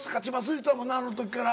言うてたもんなあの時から。